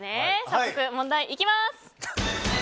早速問題いきます！